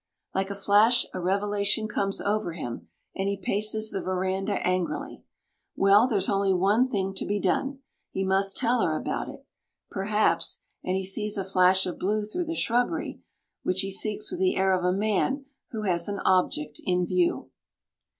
Like a flash a revelation comes over him, and he paces the veranda angrily. Well, there's only one thing to be done he must tell her about it. Perhaps and he sees a flash of blue through the shrubbery, which he seeks with the air of a man who has an object in view.